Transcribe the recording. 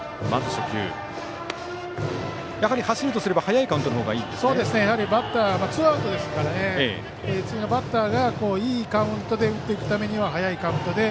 やはり走るとすれば早いカウントのほうがツーアウトですからバッターがいいカウントで打っていくためには早いカウントで。